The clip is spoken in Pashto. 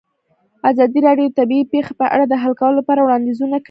ازادي راډیو د طبیعي پېښې په اړه د حل کولو لپاره وړاندیزونه کړي.